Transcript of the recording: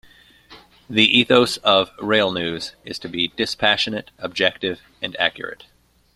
The ethos of "Railnews" is to be "dispassionate, objective and accurate".